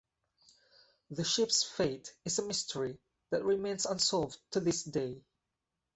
The ship's fate is a mystery that remains unsolved to this day.